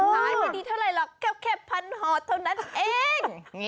ไม่ดีเท่าไรหรอกแค่พันห่อเท่านั้นเอง